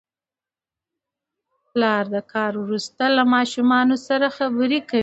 پلر د کار وروسته له ماشومانو سره خبرې کوي